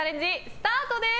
スタートです。